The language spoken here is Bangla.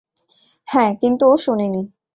হ্যাঁ, কিন্তু ও শোনেনি।